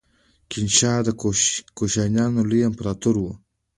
کنیشکا د کوشانیانو لوی امپراتور و